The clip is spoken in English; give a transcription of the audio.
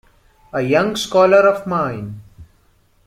A young scholar of mine.